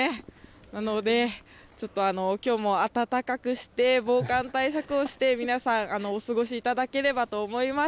なので、ちょっときょうも暖かくして、防寒対策をして、皆さん、お過ごしいただければと思います。